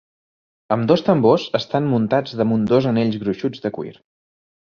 Ambdós tambors estan muntants damunt dos anells gruixuts de cuir.